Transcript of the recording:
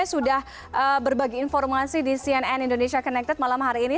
sudah berbagi informasi di cnn indonesia connected malam hari ini